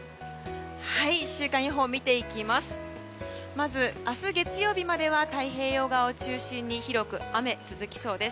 まず、明日月曜日までは太平洋側を中心に広く雨が続きそうです。